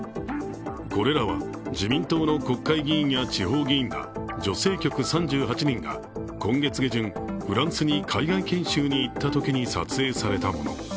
これらは自民党の国会議員や地方議員ら女性局３８人が今月下旬、フランスに海外研修に行ったときに撮影されたもの。